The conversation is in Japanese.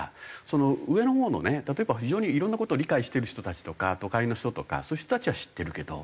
上のほうのね例えば非常にいろんな事を理解してる人たちとか都会の人とかそういう人たちは知ってるけど。